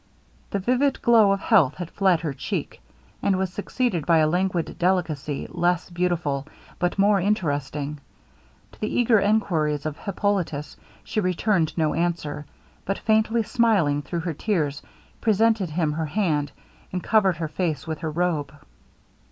The vivid glow of health had fled her cheek, and was succeeded by a languid delicacy, less beautiful, but more interesting. To the eager enquiries of Hippolitus, she returned no answer, but faintly smiling through her tears, presented him her hand, and covered her face with her robe.